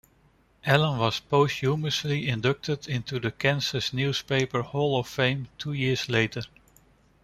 Allen was posthumously inducted into the Kansas Newspaper Hall of Fame two years later.